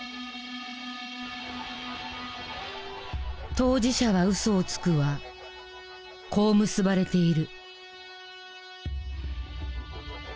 「当事者は嘘をつく」はこう結ばれている。